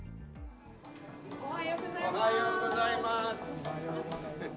おはようございます。